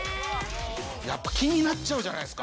やっぱ気になっちゃうじゃないですか。